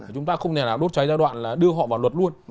chúng ta không thể nào đốt cháy giai đoạn là đưa họ vào luật luôn